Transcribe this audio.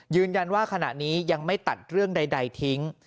ยืนยันว่าขณะนี้ยังไม่ตัดเรื่องใดทิ้ง